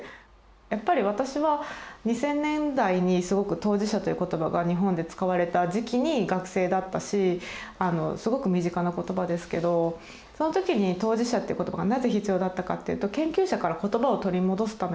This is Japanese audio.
やっぱり私は２０００年代にすごく「当事者」という言葉が日本で使われた時期に学生だったしすごく身近な言葉ですけどそのときに当事者っていう言葉がなぜ必要だったかっていうと研究者から言葉を取り戻すためだったんですね。